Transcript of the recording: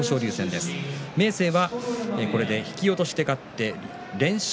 明生はこれで引き落としで勝って全勝。